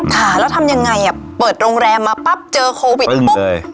ค่ะแล้วทำยังไงอ่ะเปิดโรงแรมมาปั๊บเจอโควิดปุ๊บ